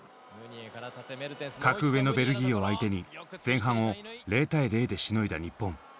格上のベルギーを相手に前半を０対０でしのいだ日本。